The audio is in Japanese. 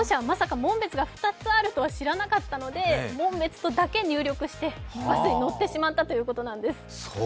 紋別が２つあるとは知らなかったので「紋別」とだけ入力してバスに乗ってしまったということです。